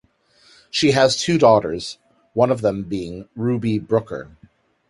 She has two daughters, one of them being Ruby Brooker.